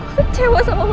kecewa sama lo